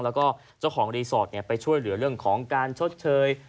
แล้วก็เจ้าของรีสอร์ทไปช่วยเหลือเรื่องของการชดเชย